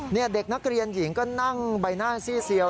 นี่เด็กนักเรียนหญิงก็นั่งใบหน้าซี่เซียว